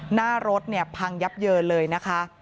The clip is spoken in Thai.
หน้ารถพังยับเยอะเลยนะคะ